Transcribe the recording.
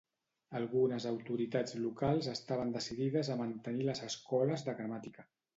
Algunes autoritats locals estaven decidides a mantenir les escoles de gramàtica.